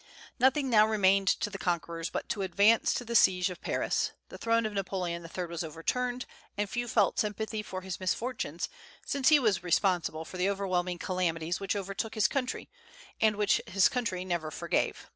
Nothing now remained to the conquerors but to advance to the siege of Paris. The throne of Napoleon III. was overturned, and few felt sympathy for his misfortunes, since he was responsible for the overwhelming calamities which overtook his country, and which his country never forgave.